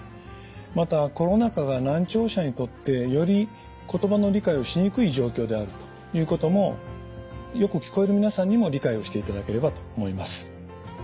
またコロナ禍が難聴者にとってより言葉の理解をしにくい状況であるということもよく聞こえる皆さんにも理解をしていただければと思います。